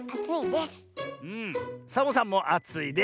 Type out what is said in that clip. サボさんもあついです。